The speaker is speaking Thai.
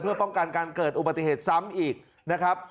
เพื่อป้องกันการเกิดอุบัติเหตุซ้ำอีกนะครับ